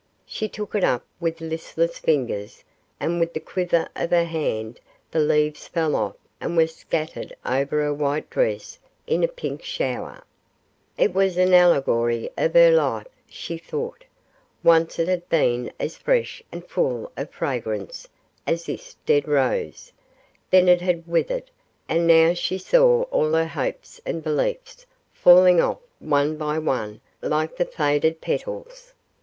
She took it up with listless fingers, and with the quiver of her hand the leaves fell off and were scattered over her white dress in a pink shower. It was an allegory of her life, she thought. Once it had been as fresh and full of fragrance as this dead rose; then it had withered, and now she saw all her hopes and beliefs falling off one by one like the faded petals.